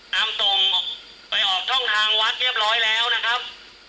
นำส่งออกไปออกช่องทางวัดเรียบร้อยแล้วนะครับ